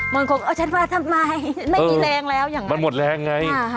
บางคนเอาฉันมาทำไมไม่มีแรงแล้วอย่างนั้นมันหมดแรงไง